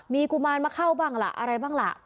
มีกุมารมาเข้าบ้างล่ะอะไรบ้างล่ะ